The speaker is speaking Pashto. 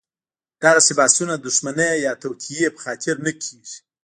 دغسې بحثونه د دښمنۍ یا توطیې په خاطر نه کېږي.